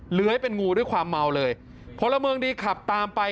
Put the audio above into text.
เหลือให้เป็นงูด้วยความเมาเลยพลเมืองดีขับตามไป